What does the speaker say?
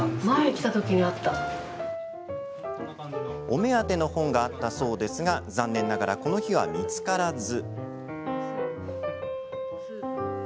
お目当ての本があったそうですが残念ながらこの日は見つからず。